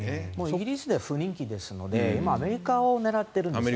イギリスでは不人気ですので今、アメリカを狙ってるんです。